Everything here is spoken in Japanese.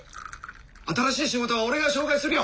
新しい仕事は俺が紹介するよ。